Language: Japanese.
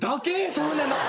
そうなの。